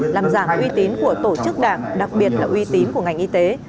làm giảm uy tín của tổ chức đảng đặc biệt là uy tín của ngành y tế